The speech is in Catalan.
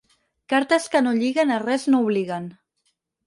Cartes que no lliguen a res no obliguen.